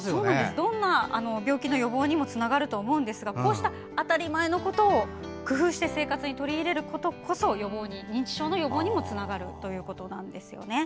どんな病気の予防にもつながると思いますがこうした当たり前のことを工夫して生活に取り入れることも認知症の予防にもつながるということです。